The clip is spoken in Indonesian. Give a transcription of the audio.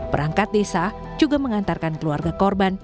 perangkat desa juga mengantarkan keluarga korban